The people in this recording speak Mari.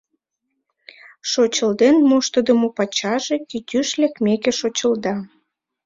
Шочылден моштыдымо пачаже, кӱтӱш лекмеке шочылда.